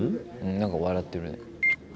なんか笑ってるね。